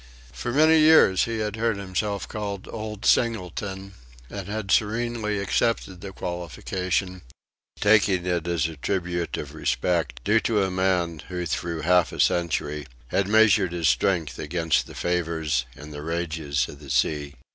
For many years he had heard himself called "Old Singleton," and had serenely accepted the qualification, taking it as a tribute of respect due to a man who through half a century had measured his strength against the favours and the rages of the sea.